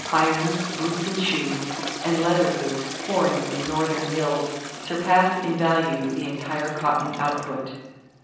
Iron, boots and shoes, and leather goods pouring from Northern mills surpassed in value the entire cotton output.